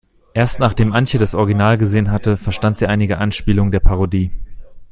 Erst nachdem Antje das Original gesehen hatte, verstand sie einige Anspielungen der Parodie.